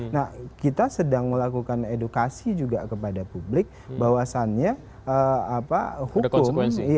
nah kita sedang melakukan edukasi juga kepada publik bahwasannya hukum